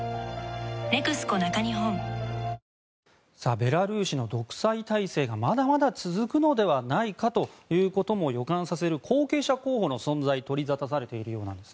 ベラルーシの独裁体制がまだまだ続くのではないかということも予感させる後継者候補の存在が取りざたされているようです。